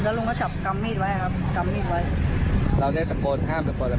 แล้วลุงก็จับกรรมมีดไว้ครับกรรมมีดไว้เราได้สะโกนห้ามสะโกนอะไรไหม